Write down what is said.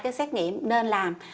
hai cái xét nghiệm nên làm